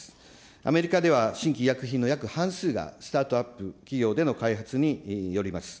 アメリカでは新規医薬品の約半数がスタートアップ企業での開発によります。